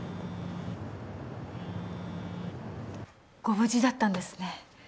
ご無事だったんですね。